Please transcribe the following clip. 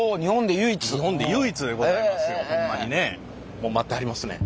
もう待ってはりますね。